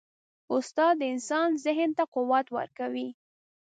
استاد د انسان ذهن ته قوت ورکوي.